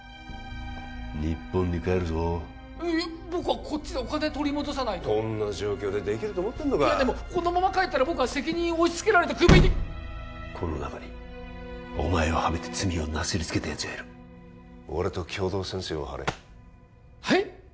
日本に帰るぞいや僕はこっちでお金取り戻さないとこんな状況でできると思ってんのかいやでもこのまま帰ったら僕は責任を押しつけられてクビにこの中にお前をハメて罪をなすりつけたやつがいる俺と共同戦線を張れはい？